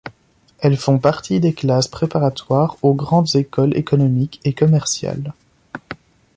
Elles font partie des classes préparatoires aux grandes écoles économiques et commerciales.